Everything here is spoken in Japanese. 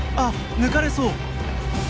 抜かれそう。